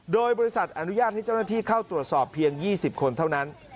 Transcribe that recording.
โดยบริษัทอนุญาตให้เจ้าหน้าที่เข้าตรวจสอบเพียง๒๐คนเท่านั้น